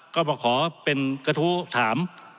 ก็มาขอเป็นกระทู้ถาม